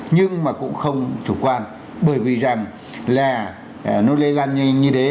nhưng mà cũng không chủ quan bởi vì rằng là nó lây lan như thế